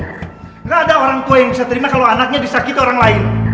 tidak ada orang tua yang bisa terima kalau anaknya disakiti orang lain